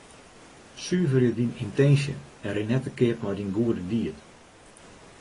Suverje dyn yntinsje en rin net te keap mei dyn goede died.